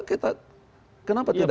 kenapa tidak fungsinya